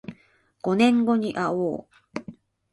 五年後にあおう